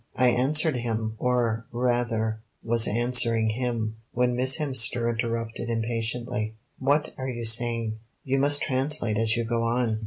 I answered him, or, rather, was answering him, when Miss Hemster interrupted impatiently: "What are you saying? You must translate as you go on.